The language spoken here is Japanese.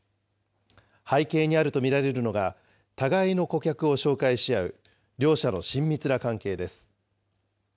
背景にあると見られるのが、互いの顧客を紹介し合う両社の親密な関係です。